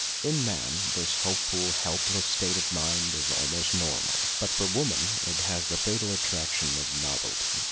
In man this hopeful, help less state of mind is almost normal, but for woman it has the fatal attraction of novelty.